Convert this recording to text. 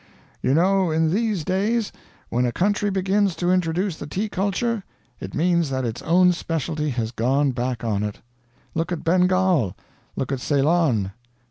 You know, in these days, when a country begins to introduce the tea culture, it means that its own specialty has gone back on it. Look at Bengal; look at Ceylon.